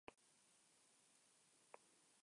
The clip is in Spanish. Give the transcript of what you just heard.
No obstante esta duración es altamente variable.